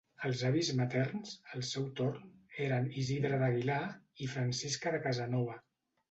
Els avis materns, al seu torn, eren Isidre d'Aguilar i Francisca de Casanova.